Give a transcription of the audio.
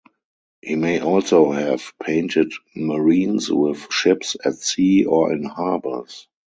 He may also have painted marines with ships at sea or in harbours.